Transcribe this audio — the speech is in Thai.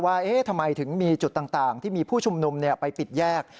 ว่าทำไมถึงมีจุดต่างที่มีผู้ชุมนุมไปปิดแยก